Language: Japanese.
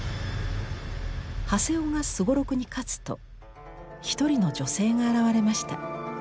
長谷雄がすごろくに勝つと一人の女性が現れました。